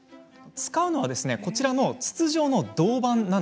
使うのはこちらの筒状の銅板。